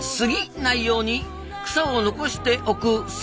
ないように草を残してお「くさ」！